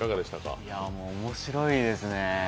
面白いですね。